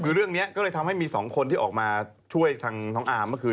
คือเรื่องนี้ก็เลยทำให้มีสองคนที่ออกมาช่วยทางน้องอาร์มเมื่อคืน